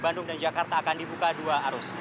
bandung dan jakarta akan dibuka dua arus